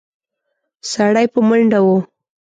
سړی په منډه و.